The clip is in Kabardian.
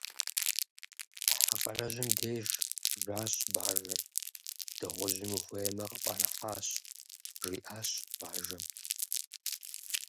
Хьэ къарэжьым деж жащ бажэр. - Дыгъужьым ухуеймэ, къыпӏэрыхьащ, - жиӏащ бажэм.